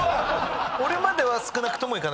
俺までは少なくとも。